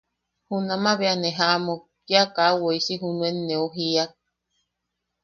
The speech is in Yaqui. Junamaʼa bea ne jaʼamuk, kia kaa woisi junuen neu jiiak.